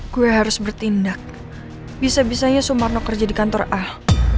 gue harus bertindak bisa bisanya sumarno kerja di kantor ah